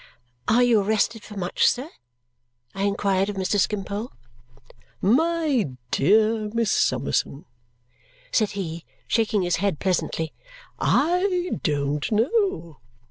"Are you arrested for much, sir?" I inquired of Mr. Skimpole. "My dear Miss Summerson," said he, shaking his head pleasantly, "I don't know.